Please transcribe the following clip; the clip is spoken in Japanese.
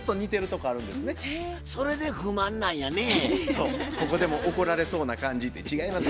ここでも怒られそうな感じ。って違います。